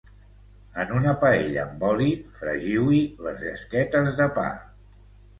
En una paella amb oli fregiu-hi les llesquetes de pa